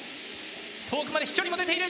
遠くまで飛距離も出ている。